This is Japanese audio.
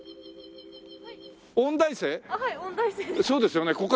そうですよね。